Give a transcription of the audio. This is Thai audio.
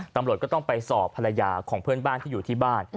ตำรวจก็ต้องไปสอบภรรยาของเพื่อนบ้านที่อยู่ที่บ้าน